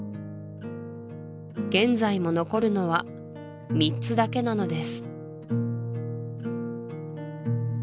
現在も残るのは３つだけなのです